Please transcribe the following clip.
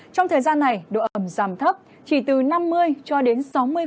trong thời gian này độ ẩm giảm thấp chỉ từ năm mươi cho đến sáu mươi